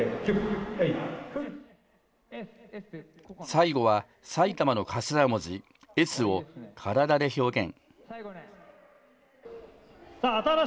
最後は、埼玉の頭文字、Ｓを体で表現。